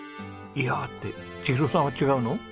「いやあ」って千尋さんは違うの？